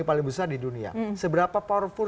paling besar di dunia seberapa powerful